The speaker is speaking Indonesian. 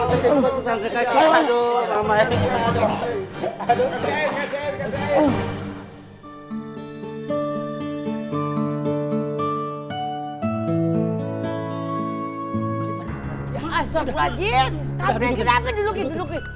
aduh om dikin